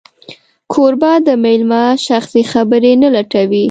کوربه د مېلمه شخصي خبرې نه لټوي.